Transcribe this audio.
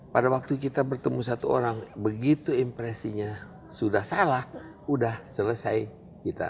pada waktu kita bertemu satu orang begitu impresinya sudah salah sudah selesai kita